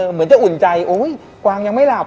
เหมือนจะอุ่นใจโอ๊ยกวางยังไม่หลับ